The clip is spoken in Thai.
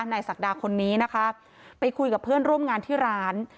ศักดาคนนี้นะคะไปคุยกับเพื่อนร่วมงานที่ร้าน